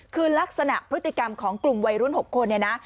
คือลักษณะพฤติกรรมของกลุ่มวัยรุ่น๖คนเนี่ยนะ